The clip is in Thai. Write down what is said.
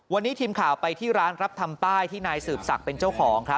วันนี้ทีมข่าวไปที่ร้านรับทำป้ายที่นายสืบศักดิ์เป็นเจ้าของครับ